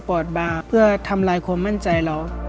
ก็พูดว่าวันนี้มีคนจะมาวางยานักมัวให้ระวังดีนะครับ